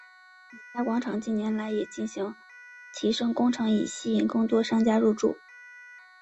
美嘉广场近年来也进行提升工程以吸引更多商家入住。